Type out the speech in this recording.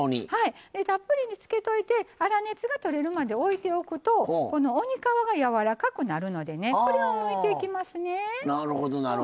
たっぷりにつけといて粗熱がとれるまで置いておくと鬼皮がやわらかくなるのでむいていきます。